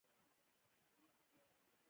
د بلې هرې ډلې پرتله ډېر وخت یوازې تېروي.